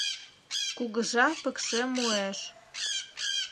Кугыжа пыкше муэш.